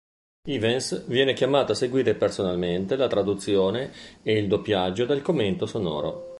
Ivens viene chiamato a seguire personalmente la traduzione e il doppiaggio del commento sonoro.